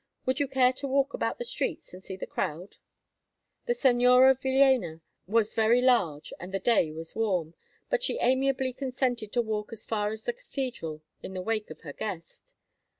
Would you care to walk about the streets and see the crowd?" The Señora Villéna was very large and the day was warm, but she amiably consented to walk as far as the cathedral in the wake of her guest.